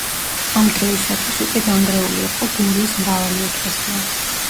ამ დროისათვის უკვე დანგრეული იყო გურიის მრავალი ეკლესია.